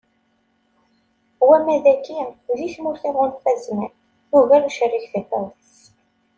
Wama dagi, deg tmurt iɣunfa zzman ; yugar ucerrig tafawet.